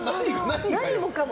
何もかも。